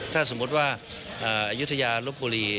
ถ้าสมมุติว่าอายุทยาลบบุรี